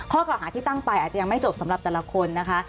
ข้อเก่าหาที่ตั้งไปอาจจะยังไม่จบสำหรับแต่ละคนนะคะ